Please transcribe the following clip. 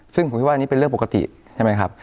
ซึ่งผมคิดว่าอันนี้เป็นเรื่องปกติใช่ไหมครับ